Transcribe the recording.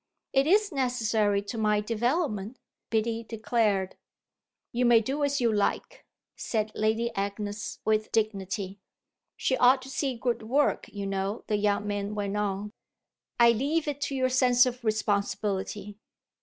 It is necessary to my development," Biddy declared. "You may do as you like," said Lady Agnes with dignity. "She ought to see good work, you know," the young man went on. "I leave it to your sense of responsibility."